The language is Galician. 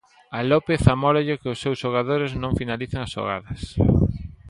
A López amólalle que os seus xogadores non finalicen as xogadas.